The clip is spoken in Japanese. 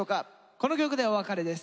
この曲でお別れです。